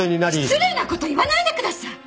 失礼な事言わないでください！